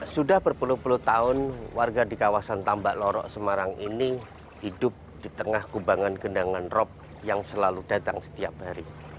sudah berpuluh puluh tahun warga di kawasan tambak lorok semarang ini hidup di tengah kubangan genangan rop yang selalu datang setiap hari